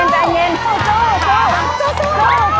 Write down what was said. ใจเย็น